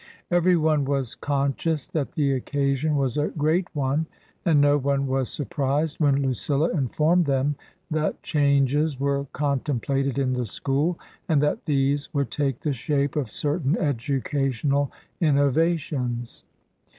Every one was conscious that the occasion was a great one, and no one was surprised when Lucilla informed them that changes were contemplated in the school, and that these would take the shape of certain educational inno vations.